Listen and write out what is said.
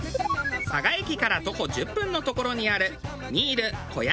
佐賀駅から徒歩１０分の所にある。